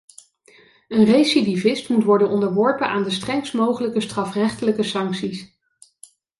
Een recidivist moet worden onderworpen aan de strengst mogelijke strafrechtelijke sancties.